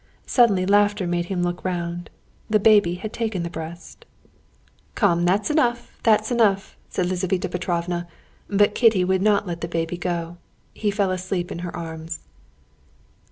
Suddenly laughter made him look round. The baby had taken the breast. "Come, that's enough, that's enough!" said Lizaveta Petrovna, but Kitty would not let the baby go. He fell asleep in her arms.